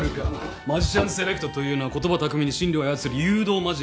マジシャンズセレクトというのは言葉巧みに心理を操る誘導マジックだ。